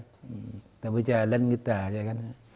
kita berjalan kita saja kan